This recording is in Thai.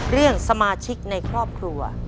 เรื่องสมาชิกในครอบครัว